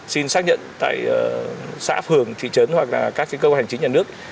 xin xác nhận tại xã phường thị trấn hoặc là các cơ quan hành chính nhà nước